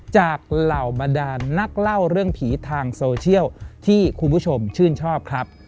เหล่าบรรดาลนักเล่าเรื่องผีทางโซเชียลที่คุณผู้ชมชื่นชอบครับ